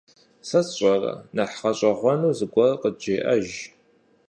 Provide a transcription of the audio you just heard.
Сэ сщӀэрэ, нэхъ гъэщӀэгъуэну зыгуэр къыджеӀэж.